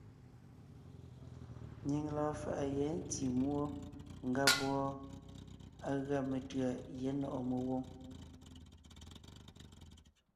Nyìŋ lɔɔn faʼa yɛ̌ ntí múɔ ngáb wɔ́ɔ, á gʉa metʉ̌a Gyɛ̌ Nɔ̀ʼɔ Megwǒŋ.